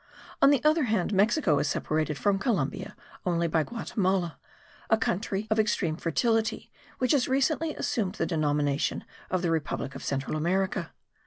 On the other hand, Mexico is separated from Columbia only by Guatimala, a country and extreme fertility which has recently assumed the denomination of the republic of Central America.